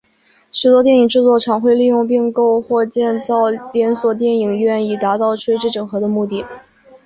许多电影制片厂会利用并购或建造连锁电影院以达到垂直整合的目的。